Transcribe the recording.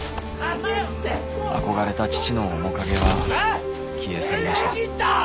あこがれた父の面影は消え去りました。